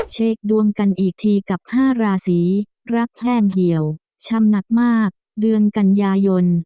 เช็คดวงกันอีกทีกับ๕ราศีรักแห้งเหี่ยวช่ำหนักมากเดือนกันยายน